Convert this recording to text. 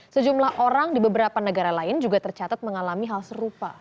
sejumlah orang di beberapa negara lain juga tercatat mengalami hal serupa